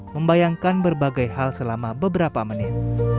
membayangkan berbagai hal selama beberapa menit